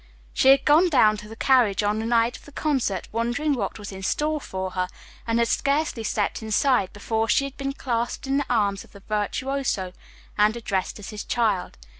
She had gone down to the carriage on the night of the concert wondering what was in store for her, and had scarcely stepped inside before she had been clasped in the arms of the virtuoso, and addressed as his child.